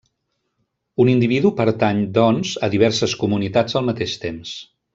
Un individu pertany, doncs, a diverses comunitats al mateix temps.